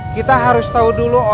kita harus tahu dulu orangnya ya